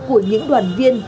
của những đoàn viên